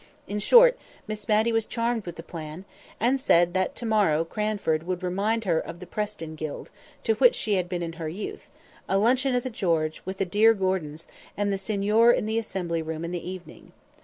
In short, Miss Matty was charmed with the plan, and said that to morrow Cranford would remind her of the Preston Guild, to which she had been in her youth—a luncheon at the "George," with the dear Gordons, and the signor in the Assembly Room in the evening.